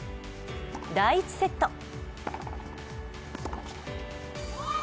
第１セット。